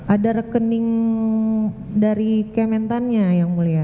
ada rekening dari kementannya yang mulia